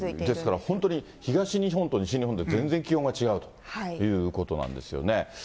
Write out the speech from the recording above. ですから本当に、東日本と西日本で全然気温が違うということなんですよね。